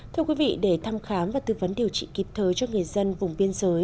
thưa quý vị để thăm khám và tư vấn điều trị kịp thời cho người dân vùng biên giới